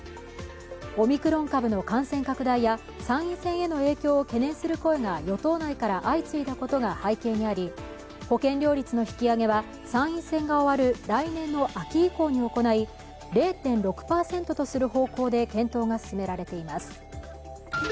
オミクロン株の感染拡大や参院選への影響を懸念する声が与党内から相次いだことが背景にあり、保険料率の引き上げは参院選が終わる来年の秋以降に行い、０．６％とする方向で検討が進められています。